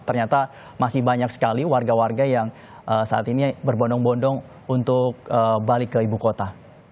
ternyata masih banyak sekali warga warga yang saat ini berbondong bondong untuk balik ke ibu kota